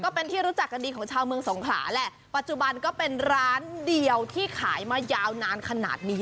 เป็นที่รู้จักกันดีของชาวเมืองสงขลาแหละปัจจุบันก็เป็นร้านเดียวที่ขายมายาวนานขนาดนี้